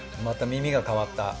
また耳が変わった。